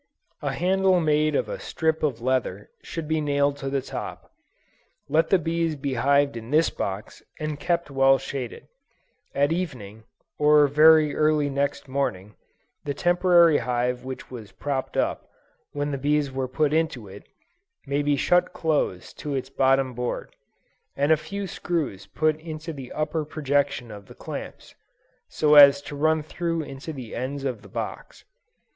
A handle made of a strip of leather, should be nailed on the top. Let the bees be hived in this box, and kept well shaded; at evening, or very early next morning, the temporary hive which was propped up, when the bees were put into it, may be shut close to its bottom board, and a few screws put into the upper projection of the clamps, so as to run through into the ends of the box.